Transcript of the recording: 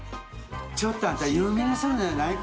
ちょっとあんた有名な人のじゃない？